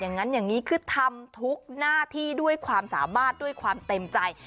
อย่างนั้นอย่างนี้คือทำทุกหน้าที่ด้วยความสามารถด้วยความเต็มใจ